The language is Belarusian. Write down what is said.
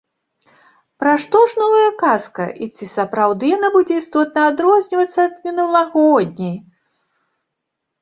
Пра што ж новая казка, і ці сапраўды яна будзе істотна адрознівацца ад мінулагодняй??